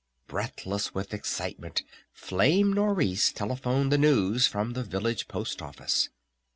Breathless with excitement Flame Nourice telephoned the news from the village post office.